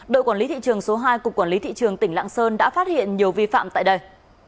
đội quản lý thị trường số hai cục quản lý thị trường tỉnh lạng sơn đã phát hiện nhiều vi phạm tại đây